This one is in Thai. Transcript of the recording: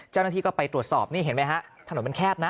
เจ้าหน้าที่ก็ไปตรวจสอบนี่เห็นไหมฮะถนนมันแคบนะ